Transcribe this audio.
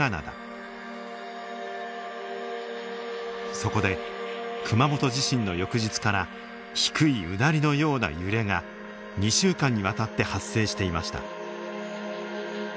そこで熊本地震の翌日から低いうなりのような揺れが２週間にわたって発生していました。